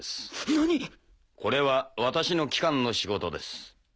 何⁉これは私の機関の仕事です。